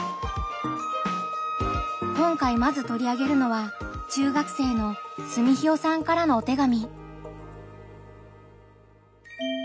今回まずとり上げるのは中学生のすみひよさんからのお手紙。